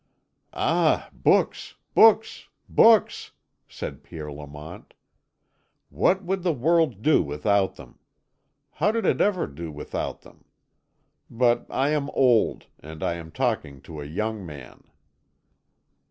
"Ah, books, books, books!" said Pierre Lamont. "What would the world do without them? How did it ever do without them? But I am old, and I am talking to a young man."